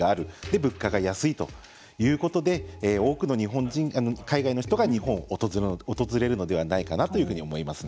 で、物価が安いということで多くの海外の人が日本を訪れるのではないかなというふうに思います。